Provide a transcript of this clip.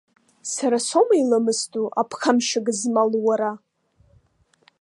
Сара соума иламысдоу, аԥхамшьа гызмал уара!